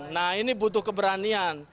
nah ini butuh keberanian